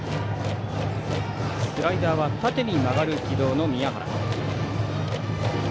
スライダーは縦に曲がる軌道の宮原。